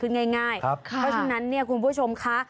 คือง่ายเพราะฉะนั้นเนี่ยคุณผู้ชมค่ะ